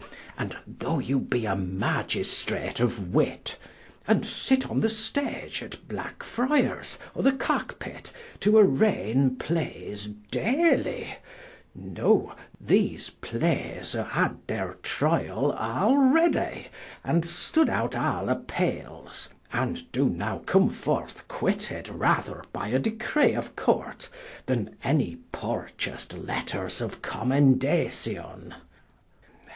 And though you be a Magistrate of wit, and sit on the Stage at Black Friers, or the Cock pit, to arraigne Playes dailie, know, these Playes haue had their triall alreadie, and stood out all Appeals; and do now come forth quitted rather by a Decree of Court, then any purchas'd Letters of commendation.